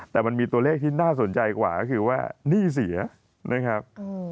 แต่มันมีตัวเลขที่น่าสนใจกว่าก็คือว่าหนี้เสียนะครับ